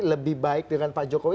lebih baik dengan pak jokowi